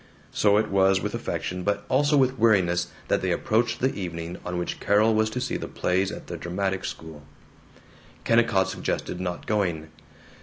So it was with affection but also with weariness that they approached the evening on which Carol was to see the plays at the dramatic school. Kennicott suggested not going.